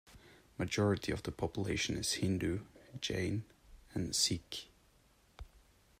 Majority of the population is Hindu, Jain and Sikh.